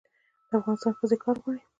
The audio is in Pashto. د افغانستان ښځې کار غواړي